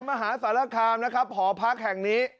มหาสารคามนะครับหอพักแห่งนี้